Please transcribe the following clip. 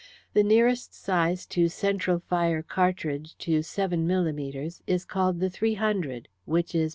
The nearest size in central fire cartridge to seven millimetres is called the 300, which is